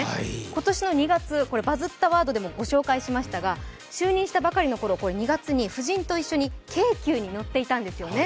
今年の２月、「バズったワード」でもご紹介しましたが、就任したばかりのころ、２月に婦人と一緒に京急に乗っていたんですね。